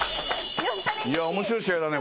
面白い試合だね。